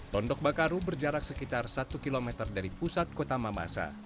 tondok bakaru berjarak sekitar satu km dari pusat kota mamasa